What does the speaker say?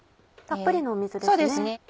たっぷりの水ですね。